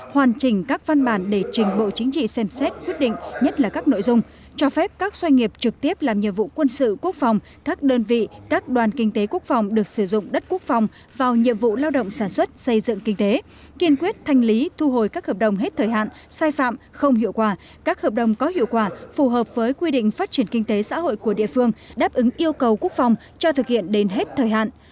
hoàn chỉnh các văn bản để trình bộ chính trị xem xét quyết định nhất là các nội dung cho phép các doanh nghiệp trực tiếp làm nhiệm vụ quân sự quốc phòng các đơn vị các đoàn kinh tế quốc phòng được sử dụng đất quốc phòng vào nhiệm vụ lao động sản xuất xây dựng kinh tế kiên quyết thanh lý thu hồi các hợp đồng hết thời hạn sai phạm không hiệu quả các hợp đồng có hiệu quả phù hợp với quy định phát triển kinh tế xã hội của địa phương đáp ứng yêu cầu quốc phòng cho thực hiện đến hết thời hạn